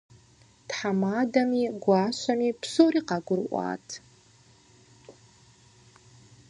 Тхьэмадэми гуащэми псори къагурыӏуат.